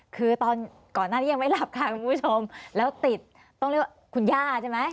คือตอนก่อนหน้านี้ยังไม่หลับค่ะคุณผู้ชมแล้วติดต้องเรียกว่าคุณย่าใช่ไหม